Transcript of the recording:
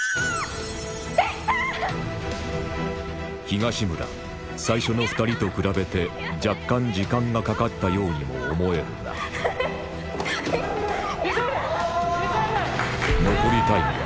東村最初の２人と比べて若干時間がかかったようにも思えるが急いで！